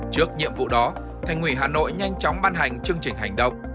trước nhiệm vụ đó thành ủy hà nội nhanh chóng ban hành chương trình hành động